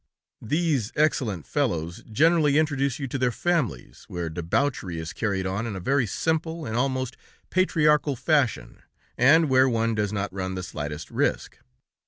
These excellent fellows generally introduce you to their families, where debauchery is carried on in a very simple, and almost patriarchal fashion, and where one does not run the slightest risk.